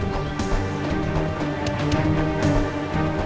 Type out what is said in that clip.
semarang semarang semarang